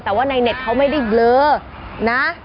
แต่ว่าในเน็ตเขาไม่ได้เบลอนะ